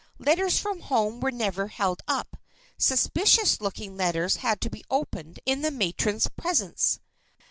Letters from home were never held up. Suspicious looking letters had to be opened in the matron's presence.